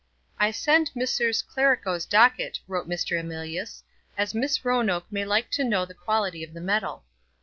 "I send Messrs. Clerico's docket," wrote Mr. Emilius, "as Miss Roanoke may like to know the quality of the metal."